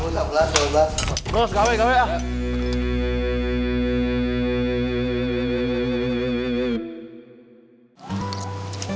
nomor seberang h dua belas